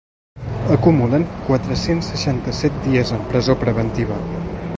Acumulen quatre-cents seixanta-set dies en presó preventiva.